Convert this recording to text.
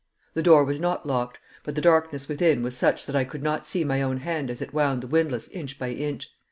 The door was not locked; but the darkness within was such that I could not see my own hand as it wound the windlass inch by inch.